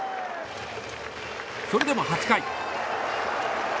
それでも８回。